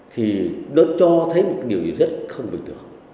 thì nó cho thấy một điều rất không bình thường